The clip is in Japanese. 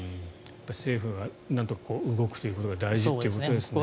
政府がなんとか動くということが大事ということですね。